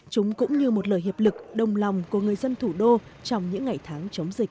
chúng cũng như một lời hiệp lực đồng lòng của người dân thủ đô trong những ngày tháng chống dịch